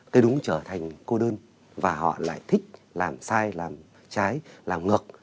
cái đúng trở thành cô đơn và họ lại thích làm sai làm trái làm ngược